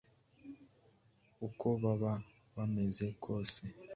uko baba bameze kose.